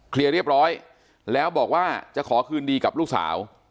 เรียบร้อยแล้วบอกว่าจะขอคืนดีกับลูกสาว